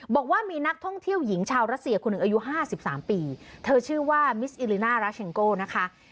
บอกว่ามีนักท่องเที่ยวหญิงชาวรัสเซียคนหนึ่งอายุห้าสิบสามปีเธอชื่อว่ามิสอิลิน่าราชเชงโก้นะคะ